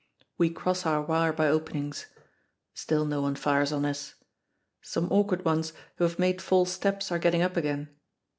We cross our wire by openings. Still no one fires on us. Some awkward ones who have made false steps are getting up again.